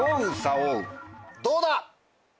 どうだ？